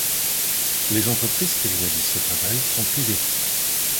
Les entreprises qui réalisent ce travail sont privées.